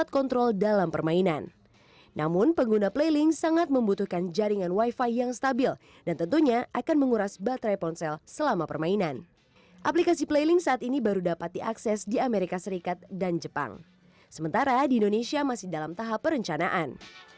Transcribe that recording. ketiga pemain besar ini terus berinovasi menghasilkan fitur hingga game eksklusif untuk menarik minat para konsumen